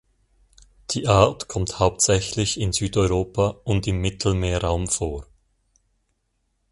Die Art kommt hauptsächlich in Südeuropa und im Mittelmeerraum vor.